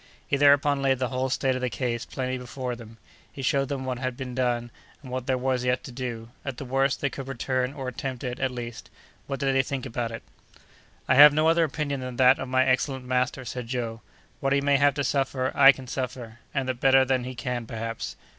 He thereupon laid the whole state of the case plainly before them; he showed them what had been done, and what there was yet to do; at the worst, they could return, or attempt it, at least.—What did they think about it? "I have no other opinion than that of my excellent master," said Joe; "what he may have to suffer, I can suffer, and that better than he can, perhaps.